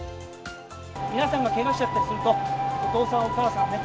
皆さんがけがしちゃったりすると、お父さん、お母さんね、